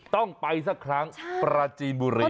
ต้องไปสักครั้งปราจีนบุรี